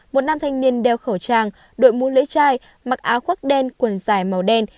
một nam thanh niên đeo khẩu trang đội mũ lễ trai mặc áo khoác đen quần dài màu đen